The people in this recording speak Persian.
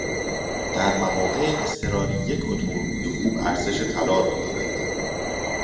در مواقع اضطراری یک اتومبیل خوب ارزش طلا را دارد.